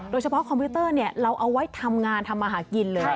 โดยเฉพาะคอมพิวเตอร์เนี่ยเราเอาไว้ทำงานทำอาหารกินเลย